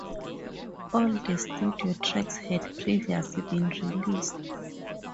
All the studio tracks had previously been released.